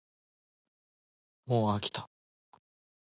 もうあきた